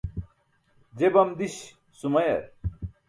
je bam diś sumayar